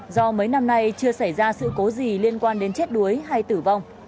do mấy năm nay chưa xảy ra sự cố gì liên quan đến chết đuối hay tử vong